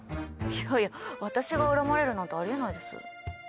いや私が恨まれるなんてあり得ないです。